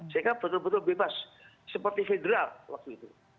sehingga betul betul bebas seperti federal waktu itu